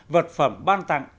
vật phẩm ban tặng